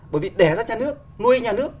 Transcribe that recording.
bởi vì đẻ ra nhà nước nuôi nhà nước